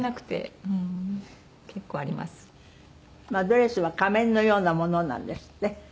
ドレスは仮面のようなものなんですって？